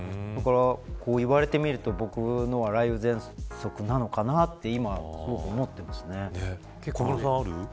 だから言われてみると僕のは雷雨ぜんそくなのかなと小室さんは、ある。